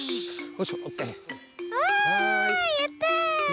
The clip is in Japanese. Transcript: あやった！